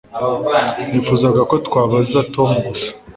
Nifuzaga ko twabaza Tom gusa